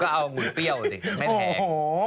เอ่ยปี๊ยาวสิไม่แพง